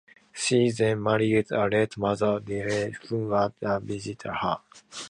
She then married a Leeds motor dealer who was violent to her.